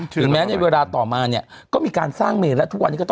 ถึงแม้ในเวลาต่อมาเนี่ยก็มีการสร้างเมนแล้วทุกวันนี้ก็ต้อง